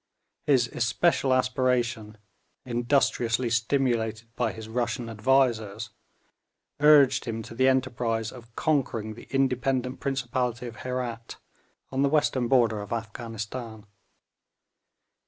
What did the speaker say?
His especial aspiration, industriously stimulated by his Russian advisers, urged him to the enterprise of conquering the independent principality of Herat, on the western border of Afghanistan.